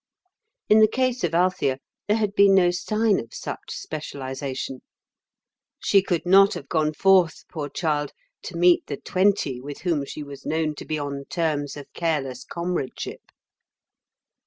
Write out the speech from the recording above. In the case of Althea, there had been no sign of such specialisation. She could not have gone forth, poor child, to meet the twenty with whom she was known to be on terms of careless comradeship.